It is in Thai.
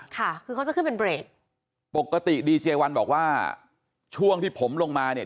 ค่ะคือเขาจะขึ้นเป็นเบรกปกติดีเจวันบอกว่าช่วงที่ผมลงมาเนี่ย